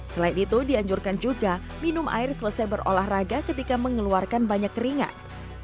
selain itu dianjurkan juga minum air selesai berolahraga ketika mengeluarkan banyak keringat